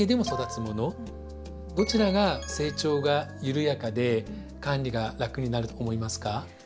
どちらが成長が緩やかで管理が楽になると思いますか？